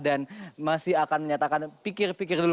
dan masih akan menyatakan pikir pikir dulu